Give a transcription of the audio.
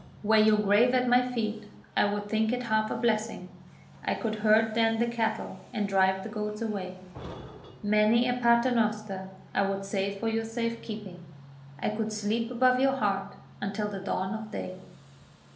Were your grave at my feet, I would think it half a blessing; I could herd then the cattle, and drive the goats away; Many a Paternoster I would say for your safe keeping; I could sleep above your heart, until the dawn of day.